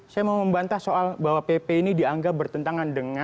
saya mau membantah soal bahwa pp ini dianggap bertentangan dengan